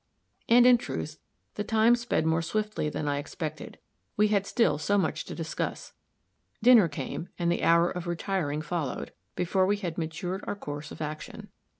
And, in truth, the time sped more swiftly than I expected; we had still so much to discuss. Dinner came and the hour of retiring followed before we had matured our course of action.